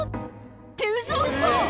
「ってウソウソ！」